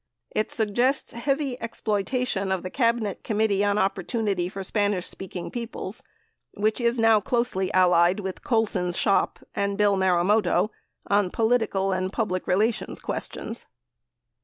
It suggests heavy ex ploitation of the Cabinet Committee on Opportunity for Spanish speaking peoples which is now closely allied with Colson's shop and Bill Marumoto on political and public re lations questions.